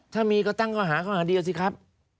ถ้ามีก็ตั้งข้อหาข้อหาเดียวสิครับ